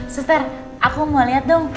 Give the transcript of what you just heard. suster aku mau liat dong